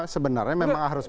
sebenarnya memang harus